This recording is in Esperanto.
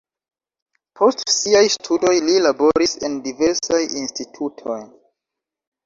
Post siaj studoj li laboris en diversaj institutoj.